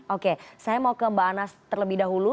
oke saya mau ke mbak anas terlebih dahulu